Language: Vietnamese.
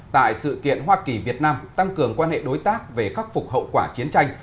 tại sự kiện hoa kỳ việt nam tăng cường quan hệ đối tác về khắc phục hậu quả chiến tranh